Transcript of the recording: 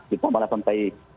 jika malah sampai